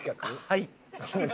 はい。